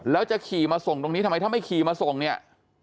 แล้วจะขี่มาส่งตรงนี้ทำไมถ้าไม่ขี่มาส่งเนี่ย